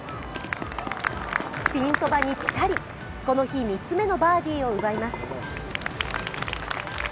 ピンそばにピタリ、この日、３つ目のバーディーを奪います。